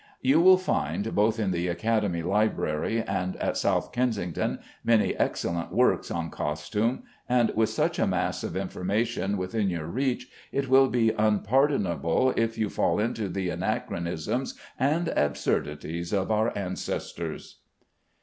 You will find, both in the Academy library and at South Kensington, many excellent works on costume, and with such a mass of information within your reach it will be unpardonable if you fall into the anachronisms and absurdities of our ancestors.